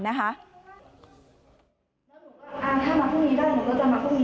ถ้ามาพรุ่งนี้ได้หนูก็จะมาพรุ่งนี้